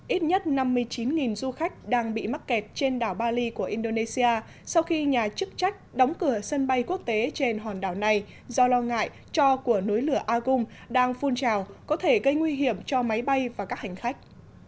ít nhất năm mươi chín du khách đang bị mắc kẹt trên đảo bali của indonesia sau khi nhà chức trách đóng cửa sân bay quốc tế trên hòn đảo này do lo ngại cho của núi lửa agum đang phun trào có thể gây nguy hiểm cho máy bay và các hành khách